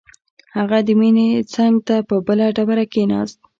هغه د مينې څنګ ته په بله ډبره کښېناست.